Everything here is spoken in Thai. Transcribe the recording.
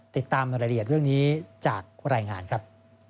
ติดตามรายละเอียดเรื่องนี้จากรายงานครับ